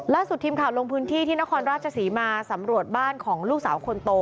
ทีมข่าวลงพื้นที่ที่นครราชศรีมาสำรวจบ้านของลูกสาวคนโต